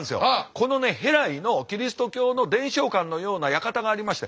この戸来のキリスト教の伝承館のような館がありまして